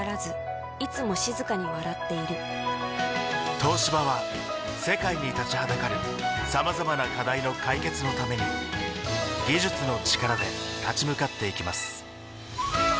東芝は世界に立ちはだかるさまざまな課題の解決のために技術の力で立ち向かっていきます